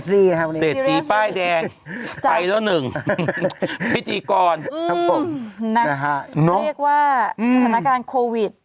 ครับพี่เสร็จทีป้ายแดงไปแล้วหนึ่งพิธีกรนะครับเรียกว่าสถานการณ์โควิด